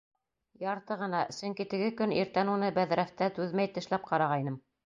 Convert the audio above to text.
Ярты ғына, сөнки теге көн иртән уны бәҙрәфтә түҙмәй тешләп ҡарағайным.